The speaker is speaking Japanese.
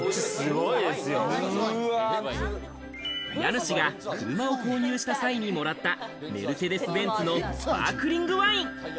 家主が車を購入した際にもらった、メルセデス・ベンツのスパークリングワイン。